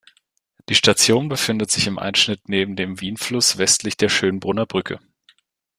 Die Station befindet sich im Einschnitt neben dem Wienfluss westlich der Schönbrunner Brücke.